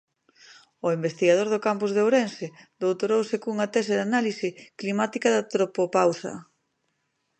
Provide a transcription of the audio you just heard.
O investigador do Campus de Ourense doutorouse cunha tese de análise climática da tropopausa.